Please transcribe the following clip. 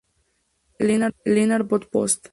Lennart von Post.